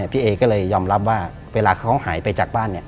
พี่เอก็เลยยอมรับว่าเวลาเขาหายไปจากบ้าน